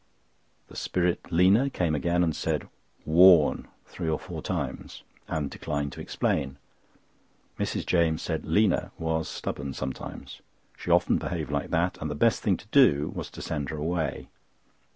The spirit Lina came again, and said, "WARN" three or four times, and declined to explain. Mrs. James said "Lina" was stubborn sometimes. She often behaved like that, and the best thing to do was to send her away.